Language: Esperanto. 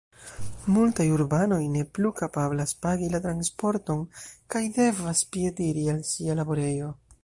Multaj urbanoj ne plu kapablas pagi la transporton kaj devas piediri al sia laborejo.